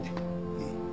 うん。